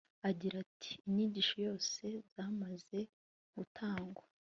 agira ati inyigisho zose zamaze gutangwa